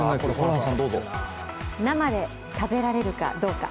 生で食べられるかどうか。